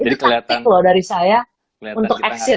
itu taktik loh dari saya untuk exit